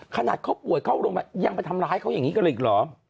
ขนาดเขาป่วยเข้าลงไปยังไปทำร้ายเขาอย่างนี้กันอีกหรอ